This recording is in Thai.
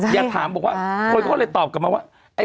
อย่าถามบอกว่าคนก็เลยตอบกลับมาว่า